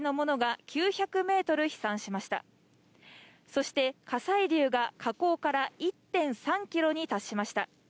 そして、火砕流が火口から１．３キロに達しました。